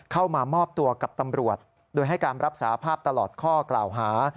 เข้ามามอบตัวกับตำรวจโดยให้การรับสาภาพตลอดข้อกล่าวหา